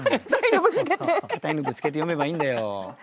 硬いのぶつけて詠めばいいんだよ。